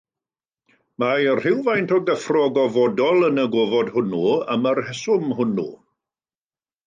Mae rhywfaint o gyffro gofodol yn y gofod hwnnw am y rheswm hwnnw.